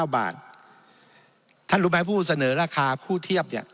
๖๒๑๙บาทท่านรู้ไหมผู้เสนอราคาคู่เทียบ